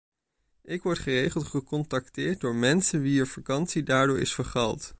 Ik word geregeld gecontacteerd door mensen wier vakantie daardoor is vergald.